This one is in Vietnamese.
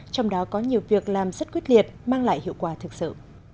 trong đó có nhiều việc làm rất quyết liệt mang lại hiệu quả thực sự